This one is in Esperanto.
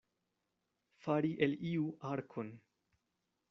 Fari el iu arkon.